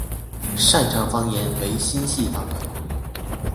擅长方言为新舄方言。